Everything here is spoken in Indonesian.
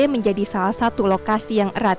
menjadi salah satu lokasi yang erat